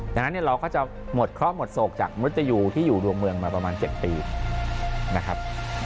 ดังนั้นเราก็จะหมดเคราะห์หมดโศกจากมนุษยูที่อยู่ดวงเมืองมาประมาณ๗ปีนะครับ